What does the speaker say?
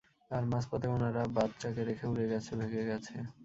আর মাঝপথে উনারা বাচ্চাকে রেখে উড়ে গেছে, ভেগে গেছে।